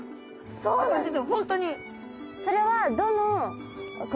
そうですね。